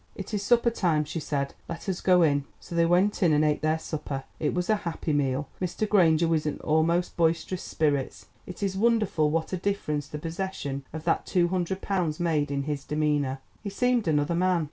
"It is supper time," she said; "let us go in." So they went in and ate their supper. It was a happy meal. Mr. Granger was in almost boisterous spirits. It is wonderful what a difference the possession of that two hundred pounds made in his demeanour; he seemed another man.